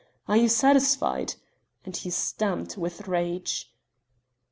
Are you satisfied?" and he stamped with rage.